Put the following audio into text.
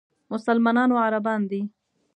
مسلمانانو عربان دي.